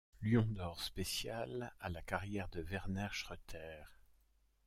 Lion d'Or spécial à la carrière de Werner Schroeter.